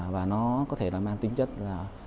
và nó có thể là mang tính chất là